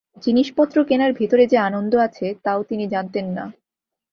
জিনিসপত্র কেনার ভেতরে যে আনন্দ আছে, তাও তিনি জানতেন না।